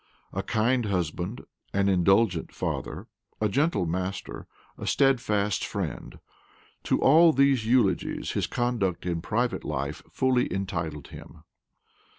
A kind husband, an indulgent father, a gentle master, a steadfast friend; to all these eulogies his conduct in private life fully entitled him.